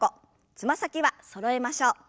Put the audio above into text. つま先はそろえましょう。